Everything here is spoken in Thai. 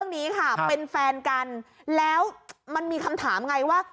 เรื่องนี้ค่ะเป็นแฟนกันแล้วมันมีคำถามไงว่า